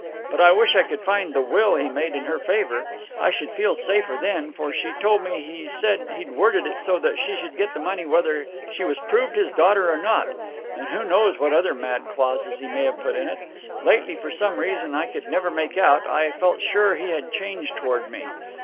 But I wish I could find the will he made in her favour. I should feel safer then, for she told me he said he'd worded it so that she should get the money whether she was proved his daughter or not. And who knows what other mad clauses he may have put in it. Lately, for some reason I could never make out, I felt sure he had changed towards me.